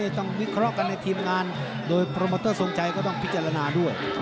ต้องวิเคราะห์กันในทีมงานโดยโปรโมเตอร์ทรงชัยก็ต้องพิจารณาด้วย